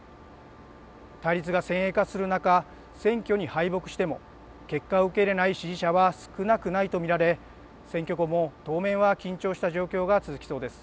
対立が先鋭化する中、選挙に敗北しても、結果を受け入れない支持者は少なくないと見られ、選挙後も当面は緊張した状況が続きそうです。